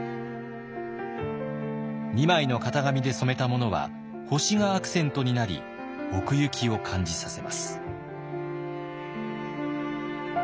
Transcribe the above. ２枚の型紙で染めたものは星がアクセントになり奥行きを感じさせます。